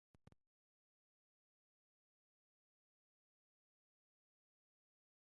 The initial reaction of the fighter pilot community to their new aircraft was lukewarm.